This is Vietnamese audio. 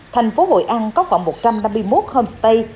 thành phố hội an có khoảng một trăm năm mươi một homestay